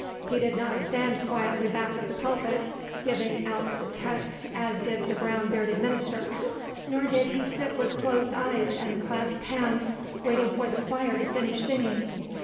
He did not stand quietly back of the pulpit giving out the text as did the brown bearded minister, nor did he sit with closed eyes and clasped hands waiting for the choir to finish singing.